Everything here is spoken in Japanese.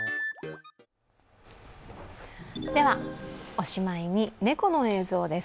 おしまいに猫の映像です。